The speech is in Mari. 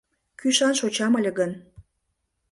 Кӱшан шочам ыле гын